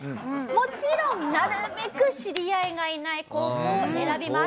もちろんなるべく知り合いがいない高校を選びます。